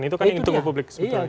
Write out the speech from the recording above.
itu kan yang ditunggu publik sebetulnya